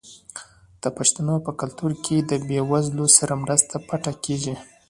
د پښتنو په کلتور کې د بې وزلو سره مرسته پټه کیږي.